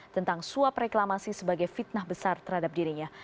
tentang suap reklamasi sebagai fitnah besar terhadap dirinya